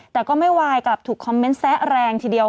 แต่ก็ไม่วายกลับถูกคอมเมนต์แซะแรงทีเดียว